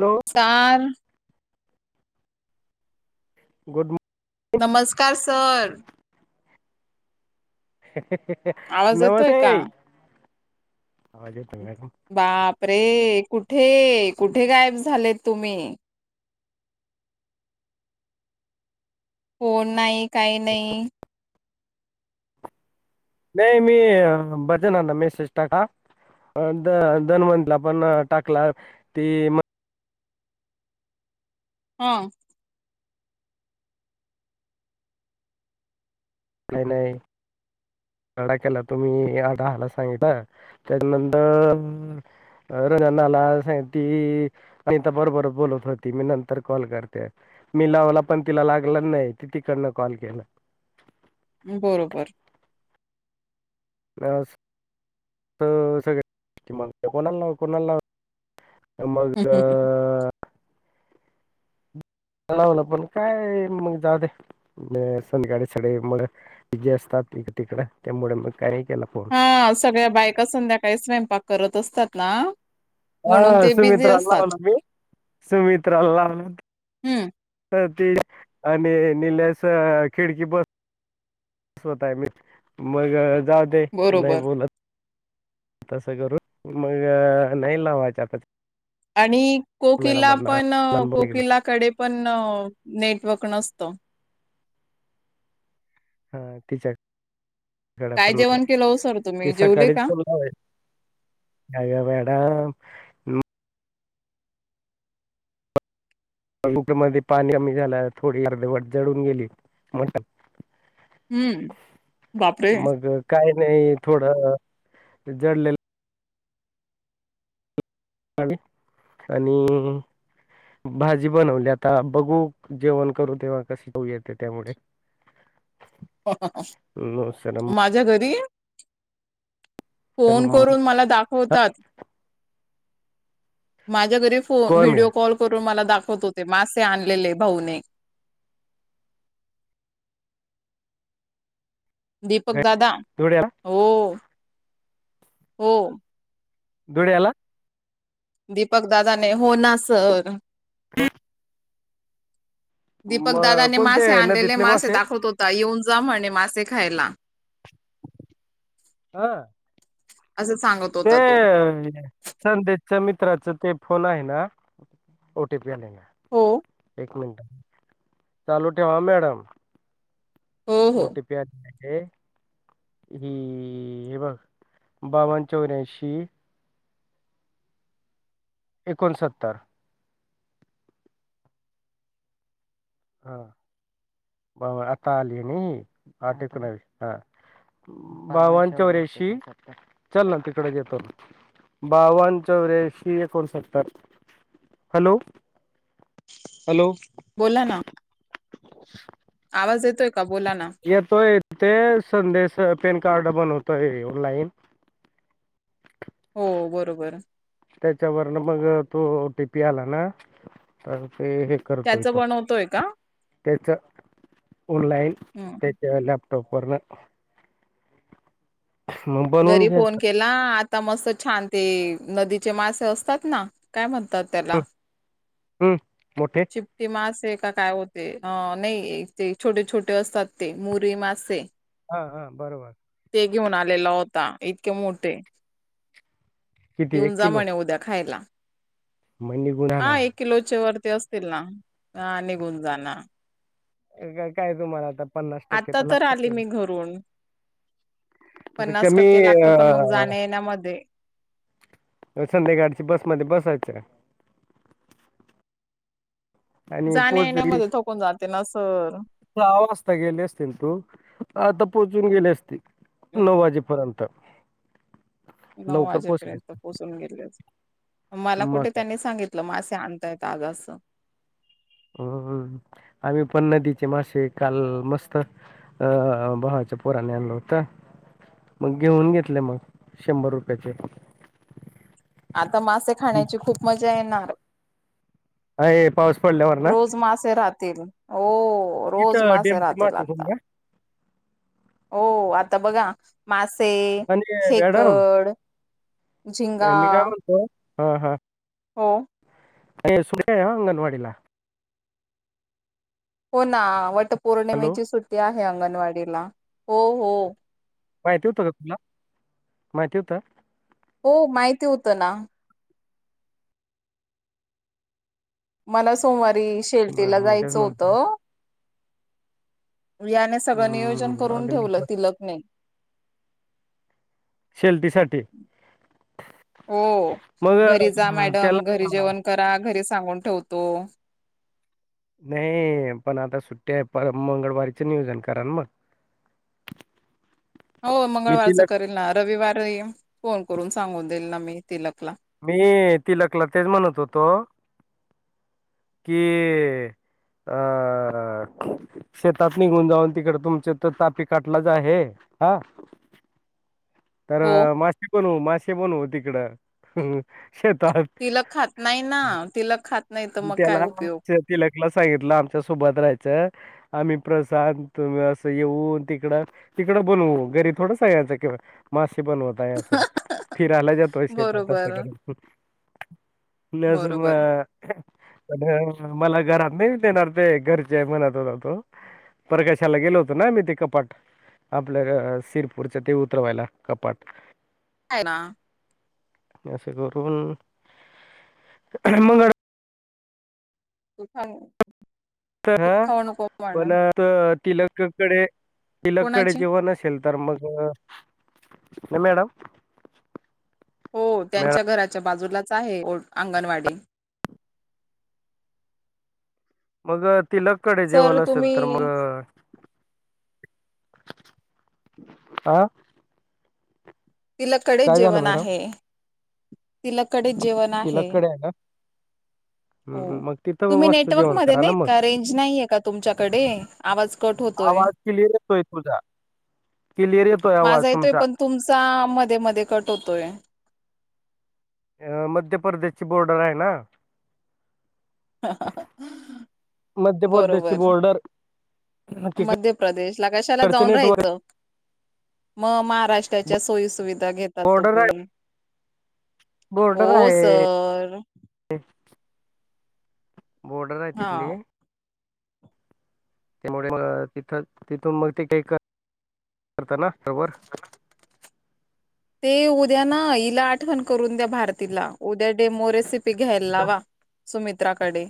Hello sir good मॉ नमस्कार sir आवाज येतोय नमते का आवाज येतो मॅडम बापरे, कुठे, कुठे गायब झालेत तुम्ही? फोन नाही, काही नाही. नाही मी, भजनाना मेसेिज टाका अ द धनवंतला पण टाकला, ती म हा. काय नाय. आडा केला तुम्ही, यडा आडा सांगिता. त्यादनंतर त्यांना सांगती, निता बरोबरच बोलत होती, मी नंतर कॉल करते. मी लाव मलापण तिला लागलं नाई, ती तिकडन कॉल केला. बरोबर. [inaudible] कोणाला लाव, कोणाला लाव मग अ लावलं पण काय मग जाव दे, संध्यकाडी साडे मड बिजे असत्यात. तिकडं त्यामुड मग काय नाही केला फोन हां, सगळ्या बायका संध्याकाळी स्वयंपाक करत असतात ना म्हणून हा ते बिझी सुमित्राला असतात लावला मी, सुमित्राला लावला. हम्म ती आणि निलेश खिडकी बस [unintelligible] मग जाव दे, नाही बरोबर बोलत. तसं करू, मग नाही लावायचा आता. आणि कोकिला मॅडमांना पण हा कोकिलाकडे पण नेट वर्क नसतं. हा तिच्या कडपण जेवण काय, केलं हो सर ती तुम्ही जेवले सकाळीच का [unintelligible] काय ग मॅडम कुकरमध्ये पाणी कमी झालं, थोडी अर्धवट जळून गेली, मट हम्म बापरे मग काय नाही, थोडं ते जडलेल आणि आणि भाजी बनवली आता, बघू जेवण करू तेव्हा कशी चव येते त्यामुळे. ह [unintelligible] माझ्या घरी फोन मग करून मला दाखवतात. च्या घरी फोन, कोण व्हिडिओ कॉल करून मला दाख वत होते मासे आणलेले भाऊने. दीपक ग दादा, धुळ्याला हो, हो. धुळ्याला दीपक दादाने, हो ना सर. [unintelligible] म दीपकदादाने कोणते मासे आणलेले नदीतले मासे दाखवत होता, येऊन जा म्हणे मासे खायला. हा! असं सांगत होता तो ते संदेशचा मि त्राचं ते फोन आहे ना, ओटी पी आले का? हो! एक मिट चालू ठेवा मॅडम. हो हो ओटीपी आली ही बघ बावन चौऱंशी एकोणसत्तर हा बाबा आता आली आहे आठ एकोणाविस बावण चैऱ्याणशीना तिकडे येतो. बावन चौ रेशीय कोण सत्तर, हॅलो! हॅलो! बोला ना! [inaudible] आवाज येतोय का बोला ना येतोय ते संदेश पॅन कार्ड बनवतोय ऑनलाइन. हो बरोबर त्याच्यावरन मग तो ओटीपी आला ना तर ते हे करतोय, त्याच तो बनवतोय का त्याच ऑनलाईन हम्म त्याच्या लाॅप्टॉपवरण घरी घ्या फोन केला आ ता मस्त छान ते नदीचे मासे असतात, ना काय म्हणतात त्याला? हम्! चिप्टी मासे का काय होते नाही ते, छोटे छोटे असतात, ते मुरी मासे हा हा बरोबर ते घेऊन आलेला होता इतके मोठे किती येऊन एक जा किलो म्हणे उद्या खायला. मग निघून हा एक जाणार किलोच्या वरती असतील, ना निघून जाना का काय तुम्हाला आता पन्नास टक्के आता तर लागत आली ते. मी घरून आता पन्नास कमी टक्के लागत पण अ मग जाण्या येण्यामध्ये संध्याकाळची बसमध्ये बसायचं. आणि जाण्या पोचली, येण्यामध्ये थकून जाते ना सर सहा वाजता गेले असतील तू. आता पोहोचून गेले असते नऊ वाजेपर्यंत. नऊ लवकर पोहोचले वाजेपर्यंत पोहोचून गेले असते, मला मग कुठे काय त्यांनी सांगितलं मासे आण य आज अस. हम्म आम्ही पण नदीचे मासे काल मस्त अं भा पोरानी आणलं होतं. मग घेऊन घेतले मग शंभर रुपयाचे. आता मासे खाण्याची खूप मजा येणार? ए पाऊस पडल्यावर ना? रोज मासे राहतील हो रोज तिथं मासे डेमचे राहतील घेऊन आता. या हो आता बघा मासे, आणि खेकड झिंगा नाही मी काय म्हणतो, हा हा हो! अ सुट्टी आहे ना अंगणवाडीला? हो ना वट हॅलो पौर्णिमेची सुट्टी आहे अंगणवाडीला हो हो माहिती होतं का तुला हो माहिती होत ना मला सोमवारी शेलटीला मग तेच जायचं म्हणतो होतं याने सगळं नियोजन करून मी ठेवलं तिलकने शेल्तीीसाठी हो घरी जा मॅडम घरी त्याला जेवण करा घरी सांगून ठेवतो नाही पण आता सुट्ट्या आहे पर मंगळवारीच नियोजन कारण मग रीकाम आहे हो मंगळवारच करेल ना रविवार फोन करून सांगून देईल ना मी तिलकला [unintelligible] मी तिलकला तेच म्हणत होतो की अ शेतात निघून जाऊन तिकड तुमच तर तापी काटलाच आहे हा तर हो मासे पण हो मासे पण हो तिकडं शेतात तिला खात नाही ना तिला खात नाही तर म मग काय त्याला उपयोग तिलकला सांगितलं आमच्या सोबत राहायचं आम्ही प्रसाद असं येऊ तिकडं तिकडं बनवू घरी थोड स आहे याचं किंवा म पण होत आहें फिर आला जातोय शेेत बरोबर नाही स म बरोबर पण मला घरात नाही देणार ते घरचे मनात होता तो प्रकाशाला गेलो होतो ना मी ते कपाट आपल्या शिरपूरच्या ते उतरवायला कपाट का आहे ना असं करून मंग तां ह पण तिलककडे तिलककडे कोणाची जेव्हा नसेल तरर् मग नाही मॅडम हो मॅ त्यांच्या घराच्या बाजूलाच आहे अंगणवाडी मग ति लकडे सर जेवण असेल तुम्ही तर मग आा तिलाकडे जेवण मॅडम आहे तिलाकडेच जेवण आहे ह हो तुम्ही नेटवर्क म नाहीत का रेंज नाहीय का तुमच्याकडे आवाज कट होतोय क्लिर येतोय तुझा क्लिअर येतोय आवाज माझा येतोय तुमचा पण तुमचा मध्ये मध्ये कट होतोय अ मध्य प्रदेशची बोर्डर आहे ना ह मध्य प्रदेशची बॉर्डर मध्य प्रदेशला कशाला तिकडचे जाऊन नेटवर्क राहायचं मग महाराष्ट्राच्या सोयी सुुविधा घेतात तुम्ही बोर्डर हो आहे सर बॉर्डर आहे हा तितली त्यामुळे तिथ तिथून मग ते काही करताना प्रबर ते उद्या ना हिला आठवण करून द्या भारतीला उद्या डेमोरेसि घ्याय का लावा सुमित्राकडे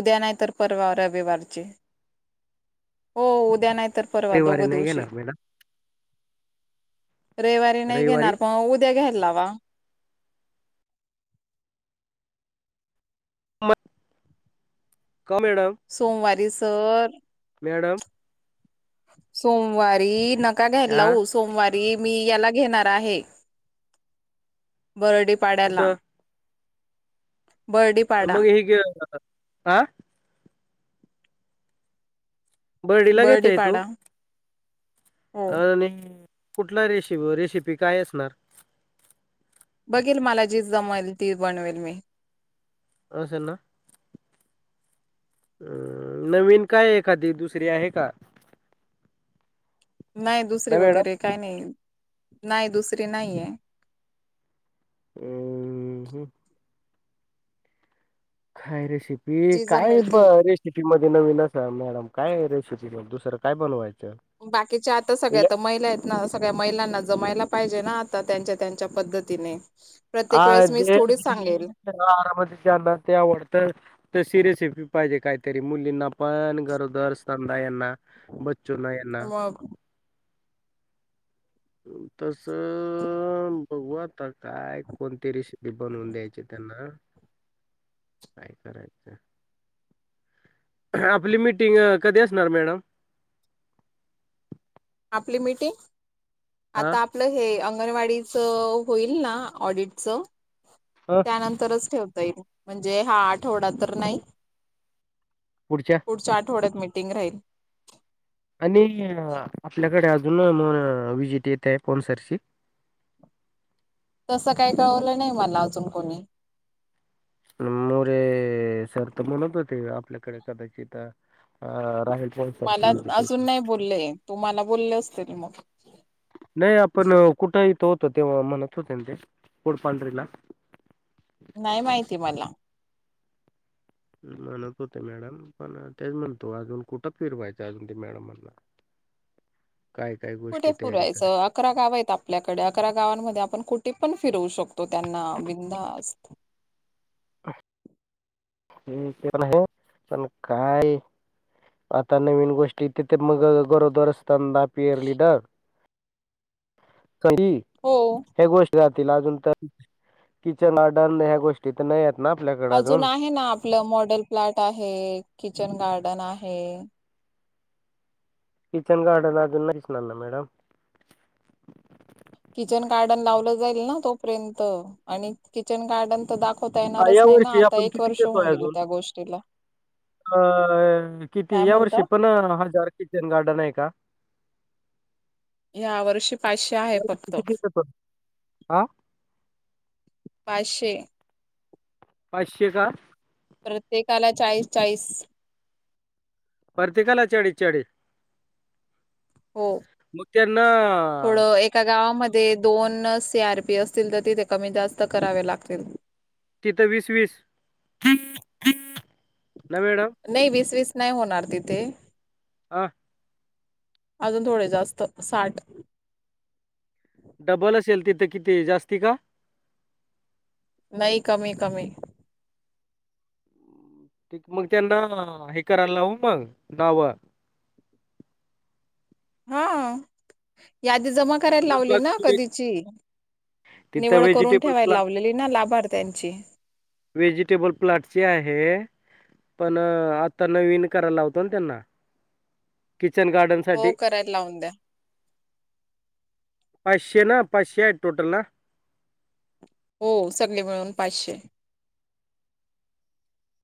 उद्या नाही तर परवा रविवारचे हो उद्या नाही इ तर परवा दोघ रविवारी नाही दिवशी घेणार मॅडम रविवारी नाही रविवारी घेणार पण उद्या घ्याला. लावा [unintelligible] म सोमवारी सर, मॅडम सोमवारी नका घ्यायला. हा लाऊ सोमवारी मी याला घेणार आहे बरडी पाड्याला, कुठं बर्डी पाडा मग हग ह, बर्डीला बर्डी घेतय तू, पाडा हो आणि कुठला रेसि रेसिपी काय असणार, बघेल मला जी जमवेल ती बनवेल मी. अस ना. अ नवीन काय एखादी दुसरी आहे का! नाही दुसरी ना मॅडम वगैरे काय नाही. नाही दुसरी नाहीये, हम ह काय रेसिपी जी काय जमेल ब ती रेसिपी मध्ये नवीन अस मॅडम, काय? बाकीच्या आता सगळ्या आ या- तर महिला आहेत ना. सगळ्या महिलांना जमायला पाहिजे. हा प्रत्येक वेळेस मीच थोडीच सांगेल आरामना ते, शेपी पाहिजे काहीतरी मुलींना पण गरोदर संधा यांना, ब्चो ना येना, मग तस बघू आता काय, कोणतीरी शे बनवून द्यायचे. काय करायचं. आपली मिीटिंग कधी असणार मॅडम, आपली मीटिंग हा आता आपल हे, अंगणवाडीच होईल ना ऑडिटच अ त्यानंतरच ठेवता येईल, म्हणजे हा आठवडा तर नाही. पुढच्या आठवड्यात मिटिंग राहील. आणि आपल्याकडे अजून, [unintelligible] तसं काही कळवलं नाही मला अजून कोणी, नमरे, सर तर म्हणत होते आपल्याकडे कदाचित रा, मला अजून नाही बोललेय तू मला बोलले असतील मग, नाही आपण कुठेहीथ होत, तेव्हा म्हणत होते ते पोडपांढरीला नाही माहिती मला. म्हणत होते मॅडम पण तेच म्हणतो अजून कुठं फिरवायचं, अजून ते मॅडमांना. [unintelligible] कुठे पुरायचं अकरा गाव आहेत. आपल्याकडे अकरा गावांमध्ये आपण कुठे, पण फिरवू शकतो त्यांना बधास्त, हे ते पण आहे पण काय, आता नवीन गोष्टी तिथे मग गरोदर असत द पियर लिडर, हो हे गोष्ट जील अजून तर किचन गारडन ह्या गोष्टी तर नाही. ना आपल्याकडे अजून आहे ना आपलं मॉडेल प्लॅट आहे. किचन गार्डन आहे. किचन गारडन आजून नाही च ना, मॅडम, किचन गार्डन लावलं जाईल ना तोपर्यंत, आणि किचन गार्डन तर दाखव. ता येणारच या नाही. ना वर्षी आता आपण एक किती वर्ष होऊन देतोय गेल अजून त्या गोष्टीला अ किती काय या, म्हणतात या्या वर्षी पाचशे आहे, या वर्षी किती देतो हा पाचशे पाचशे का. प्रत्येकाला चाळीस चाळीस परतीकला चाळीस चाळीस. हो मग त्यांना थोडं एका गावामध्ये ते दोन सीआरपी असतील तर तिथे कमी जास्त करावे लागतील. तिथं वीस वीस ना मॅडम नाही वीस वीस नाही होणार तिथे. आ. अजून थोडे जास्त साठ. डबल असेल तिथं किती जास्ती का? नाही कमी कमी. ठीक मग त्यांना हे करायला लावू मग दहावा. हा या ती जमा करायला तरच लावली ना बाकी कधीची तिथं निवड करून व्हेजिटेबल ठेवायला प्लांट लावलेली ना लाभार्थी त्यांची व्हेजिटेबल प्लॉटची आहे. पण आता नवीन कराय लावतो ना त्यांना. किचन हो गार्डनसाठी. करायला लावून द्या. पाचशे ना पाचशे आहे टोटल ना? हो सगळे मिळून पाचशे.